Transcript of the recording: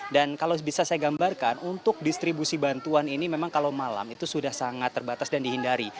kalau bisa saya gambarkan untuk distribusi bantuan ini memang kalau malam itu sudah sangat terbatas dan dihindari